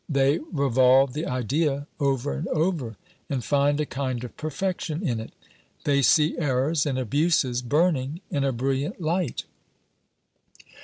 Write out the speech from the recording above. They revolve the idea over and over, and find a kind of perfection in it. They see errors and abuses burning in a brilliant light.